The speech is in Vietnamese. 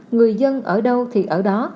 người dân ở đâu thì ở đó